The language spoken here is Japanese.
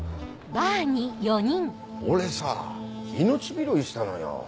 俺さ命拾いしたのよ。